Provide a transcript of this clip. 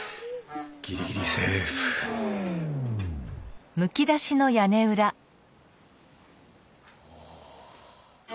ギリギリセーフおお。